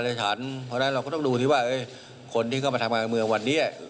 เพราะฉะนั้นเราก็ต้องดูที่ว่าคนที่เข้ามาทำงานเมืองวันนี้